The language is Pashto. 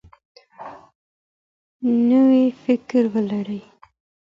نوی فکر ولرئ.